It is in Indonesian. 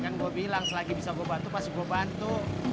kan gue bilang selagi bisa gue bantu pasti gue bantu